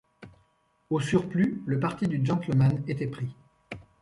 Au surplus, le parti du gentleman était pris.